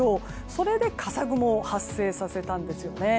それで笠雲を発生させたんですよね。